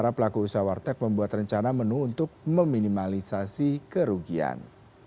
dan agar para pelaku usaha warteg membuat rencana menu untuk meminimalisasi kerugian